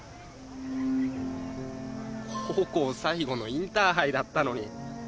高校最後のインターハイだったのに。